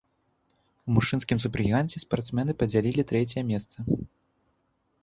У мужчынскім супергіганце спартсмены падзялілі трэцяе месца.